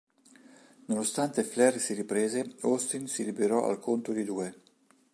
Nonostante Flair si riprese, Austin si liberò al conto di due.